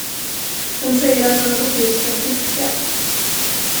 De säger, att han har gått ut för att fiska.